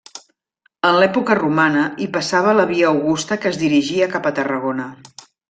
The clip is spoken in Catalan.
En l'època romana hi passava la Via Augusta que es dirigia cap a Tarragona.